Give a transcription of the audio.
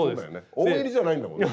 大喜利じゃないんだもんね。